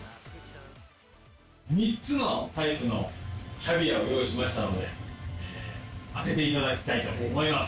３つのタイプのキャビアを用意しましたので、当てていただきたいと思います。